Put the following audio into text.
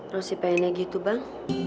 rosi pengennya gitu bang